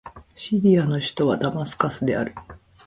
シリアの首都はダマスカスである